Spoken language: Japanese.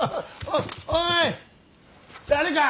おい誰か。